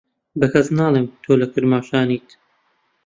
بە کەس ناڵێم تۆ لە کرماشانیت.